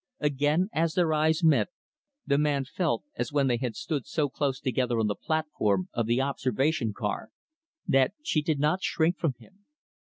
Again, as their eyes met, the man felt as when they had stood so close together on the platform of the observation car that she did not shrink from him.